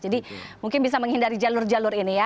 jadi mungkin bisa menghindari jalur jalur ini ya